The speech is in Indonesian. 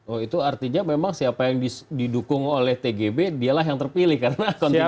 oh itu artinya memang siapa yang didukung oleh tgb dialah yang terpilih karena kondisinya